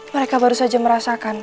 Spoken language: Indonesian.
mereka baru saja merasakan